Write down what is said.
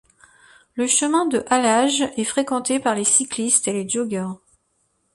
Le chemin de halage est fréquenté par les cyclistes et les joggers.